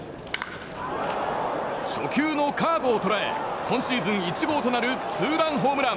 初球のカーブを捉え今シーズン１号となるツーランホームラン！